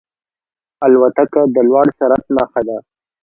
الوتکه د لوړ سرعت نښه ده.